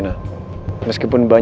paling cepat besok